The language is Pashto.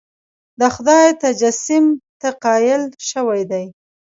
د خدای تجسیم ته قایل شوي دي.